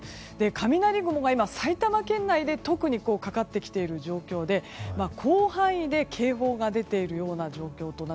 雷雲が埼玉県内で特にかかってきている状況で広範囲で警報が出ているような状況です。